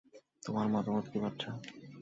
তোমার মতামত কী, বাচ্চা?